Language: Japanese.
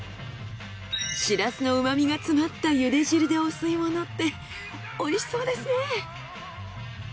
シラスのうまみが詰まった茹で汁でお吸い物って美味しそうですね。